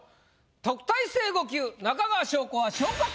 特待生５級中川翔子は。